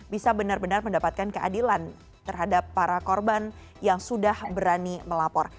bisa benar benar mendapatkan keadilan terhadap para korban yang sudah berani melapor